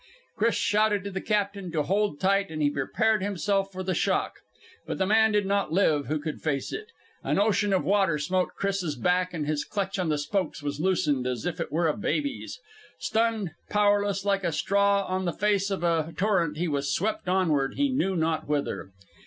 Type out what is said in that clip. Chris shouted to the captain to hold tight, and prepared himself for the shock. But the man did not live who could face it. An ocean of water smote Chris's back and his clutch on the spokes was loosened as if it were a baby's. Stunned, powerless, like a straw on the face of a torrent, he was swept onward he knew not whither.